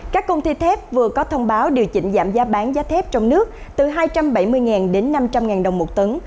các công ty thép vừa có thông báo điều chỉnh giảm giá bán giá thép trong nước từ hai trăm bảy mươi đến năm trăm linh đồng một tấn